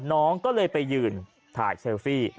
น้องก็เลยไปยืนถ่ายเซลฟี่